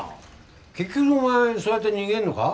結局お前そうやって逃げるのか？